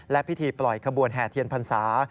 และพิธีปล่อยขบวนแห่เทียนพรรษา